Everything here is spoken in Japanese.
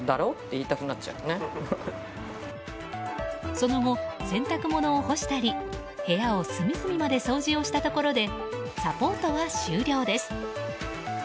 その後、洗濯物を干したり部屋を隅々まで掃除をしたところでサポートは終了です。